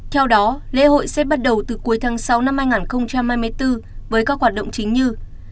theo đó lễ hội sẽ bắt đầu từ cuối tháng sáu năm hai nghìn hai mươi bốn với các hoạt động chính như